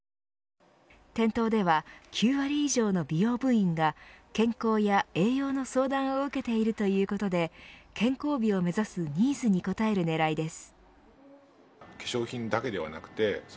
店頭では、９割以上の美容部員が健康や栄養の相談を受けているということで健康美を目指すニーズに応える狙いです。